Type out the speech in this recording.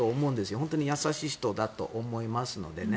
本当に優しい人だと思いますのでね。